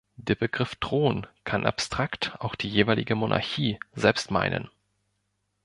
Der Begriff „Thron“ kann abstrakt auch die jeweilige Monarchie selbst meinen.